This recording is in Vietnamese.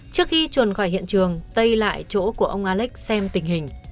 trước khi truyền khỏi hiện trường tây lại chỗ của ông alex xem tình hình